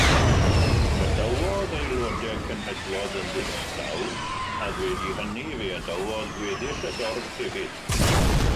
Gadawodd aelodau cenhedloedd yn ddistaw, ac wedi hynny fe adawodd gweddill y dorf hefyd.